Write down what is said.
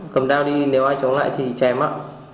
cầm đao đi nếu ai chống lại thì chém ạ